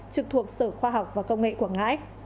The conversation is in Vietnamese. trực thuộc sở khoa học và công nghệ quảng ngãi